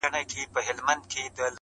• نه تميز د ښو او بدو به اوس كېږي -